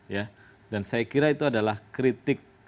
yang kecil dan saya kira itu adalah kritik